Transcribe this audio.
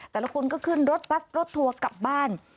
แต่ละคนก็ขึ้นรถบัสรถทัวร์กลับบ้าน